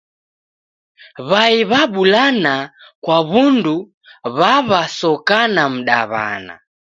W'ai w'abulana kwa w'undu w'aw'asokana mdaw'ana